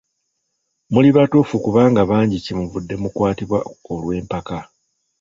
Muli batuufu kubanga bangi kye muvudde mukwatibwa olw'empaka.